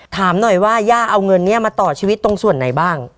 ถามหน่อยว่าย่าเอาเงินนี้มาต่อชีวิตตรงส่วนไหนบ้าง